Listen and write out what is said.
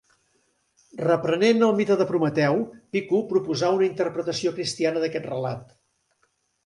Reprenent el mite de Prometeu, Pico proposa una interpretació cristiana d'aquest relat.